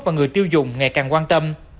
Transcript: và người tiêu dùng ngày càng quan tâm